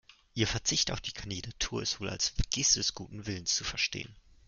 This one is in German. Ihr Verzicht auf die Kandidatur ist wohl als Geste des guten Willens zu verstehen.